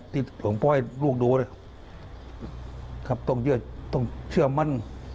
ที่หลวงพ่อให้ลูกดูเลยครับต้องเชื่อต้องเชื่อมั่น